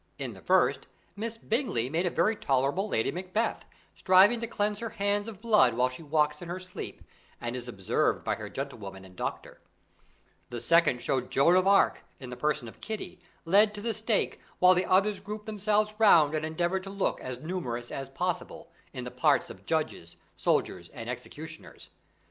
In the first, Miss Bingley made a very tolerable Lady Macbeth, striving to cleanse her hands of blood while she walks in her sleep, and is observed by her gentlewoman and doctor; the second showed Joan of Arc, in the person of Kitty, led to the stake, while the others grouped themselves round and endeavoured to look as numerous as possible, in the parts of the judges, soldiers and executioners.